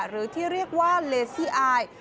หรือที่เรียกว่าเลซี่อาย